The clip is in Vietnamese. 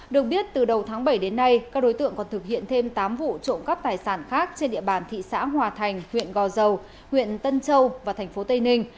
được biết từ đầu tháng bảy đến nay các đối tượng còn thực hiện thêm tám vụ trộm cắp tài sản khác trên địa bàn thị xã hòa thành huyện gò dầu huyện tân châu và thành phố tây ninh